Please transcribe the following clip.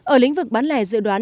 ở lĩnh vực bán lẻ dự đoán